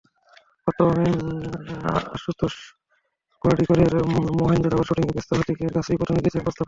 বর্তমানে আশুতোষ গোয়াড়িকরের মহেঞ্জো দারোর শুটিংয়ে ব্যস্ত হৃতিকের কাছেই প্রথমে গিয়েছিল প্রস্তাবটি।